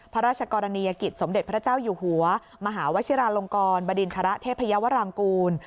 พระราชกรณียกิจสมเด็จพระเจ้าอยู่หัวมหาวชิราลงกรบดินทรเทพยาวรางกูล